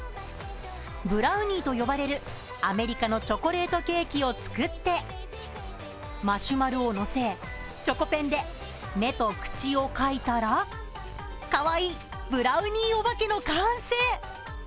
ブラウニーと呼ばれるアメリカのチョコレートケーキを作って、マシュマロをのせチョコペンで目と口を描いたらかわいいブラウニーおばけの完成。